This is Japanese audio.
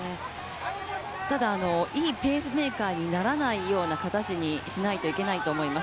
ただ、いいペースメーカーにならないような形にしないといけないと思います。